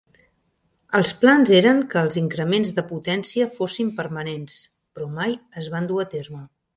Els plans eren que els increments de potència fossin permanents, però mai es van dur a terme.